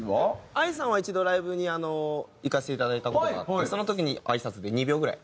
ＡＩさんは一度ライブに行かせていただいた事があってその時にあいさつで２秒ぐらい。